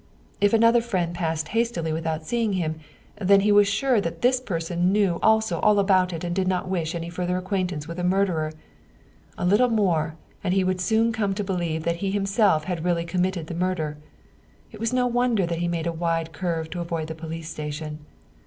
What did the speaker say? If another friend passed hastily without seeing him, then he was sure that this person knew also all about it and did not wish any further acquaintance with a murderer. A little more, and he would soon come to believe that he himself had really committed the murder. It was no wonder that he made a wide curve to avoid the police station.